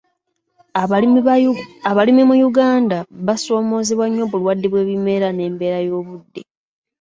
Abalimi mu Uganda basoomozeebwa nnyo obulwadde bw'ebimera n'embeera y'obudde.